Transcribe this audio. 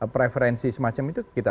preferensi semacam itu kita